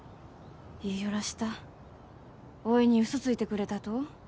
言いよらしたおいにウソついてくれたと？